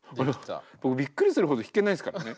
僕びっくりするほど弾けないですからね。